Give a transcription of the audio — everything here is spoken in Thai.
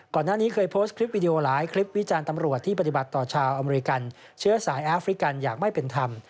ก่อนหน้านี้เคยโพสต์คลิปวิดีโอหลายคลิปวิจารณ์ตำรวจที่ปฏิบัติต่อชาวอเมริกันเชื้อสายแอฟริกันอย่างไม่เป็นธรรม